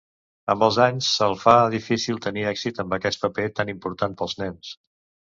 Amb els anys, se'l fa difícil tenir èxit amb aquest paper tan important pels nens.